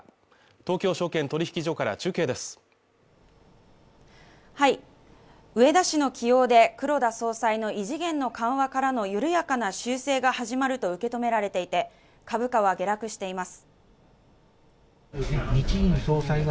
東京証券取引所から中継です植田氏の起用で黒田総裁の異次元の緩和からの緩やかな修正が始まると受け止められていて株価は下落しています